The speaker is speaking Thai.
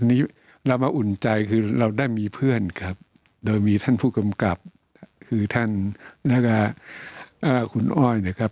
อันนี้เรามาอุ่นใจคือเราได้มีเพื่อนครับโดยมีท่านผู้กำกับคือท่านแล้วก็คุณอ้อยนะครับ